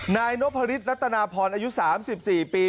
นายนบพลิตนัตตานพรอายุ๓๔ปี